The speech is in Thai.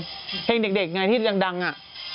เพลงเด็กไงที่ดังอะ